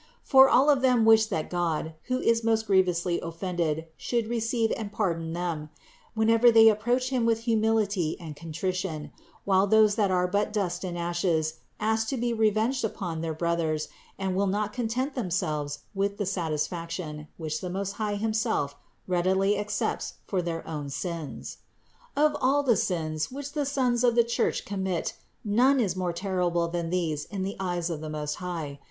For all of them wish that God, who is most grievously offended, should receive and pardon them, whenever they approach Him with humility and contrition; while those that are but dust and ashes, ask to be revenged upon their brothers and will not content themselves with the satisfaction, which the Most High himself readily accepts for their own sins. 416. Of all the sins, which the sons of the Church commit, none is more horrible than these in the eyes of the Most High.